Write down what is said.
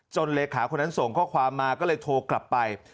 เลขาคนนั้นส่งข้อความมาก็เลยโทรกลับไป